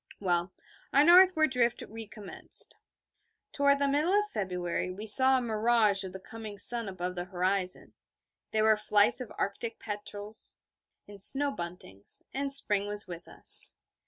Well, our northward drift recommenced. Toward the middle of February we saw a mirage of the coming sun above the horizon; there were flights of Arctic petrels and snow buntings; and spring was with us.